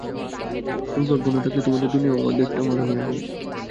দুর্ভাগ্য না থাকলে, তোমাদের দুনিয়াও আমাদেরটার মতো হয়ে যাবে।